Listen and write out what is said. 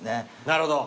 なるほど！